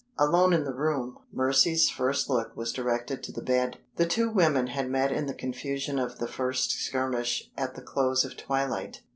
Alone in the room, Mercy's first look was directed to the bed. The two women had met in the confusion of the first skirmish at the close of twilight.